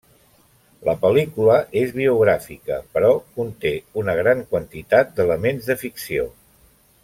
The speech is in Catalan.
La pel·lícula és biogràfica, però conté una gran quantitat d'elements de ficció.